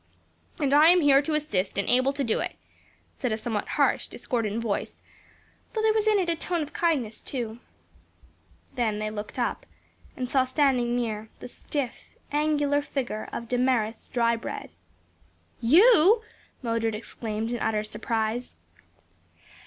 "And I am here to assist, and able to do it," said a somewhat harsh, discordant voice, though there was in it a tone of kindness too. Then they looked up and saw standing near, the stiff, angular figure of Damaris Drybread. "You?" Mildred exclaimed in utter surprise.